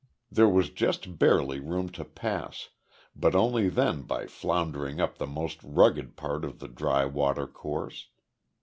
There was just barely room to pass, but only then by floundering up the most rugged part of the dry watercourse.